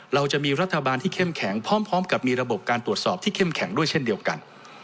เราจะมีรัฐบาลที่เข้มแข็งพร้อมกับมีระบบการตรวจสอบที่เข้มแข็งด้วยเช่นเดียวกัน